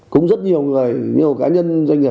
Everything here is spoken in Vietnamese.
cũng rất nhiều người nhiều cá nhân doanh nghiệp